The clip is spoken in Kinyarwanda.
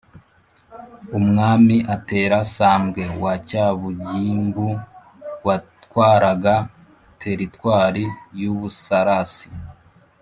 Umwami Atera Sambwe wa Cyabugimbu watwaraga teritwari y u Busarasi